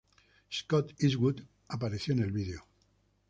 Scott Eastwood apareció en el vídeo.